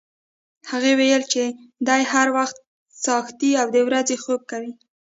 هغې ویل چې دی هر وخت څاښتي او د ورځې خوب کوي.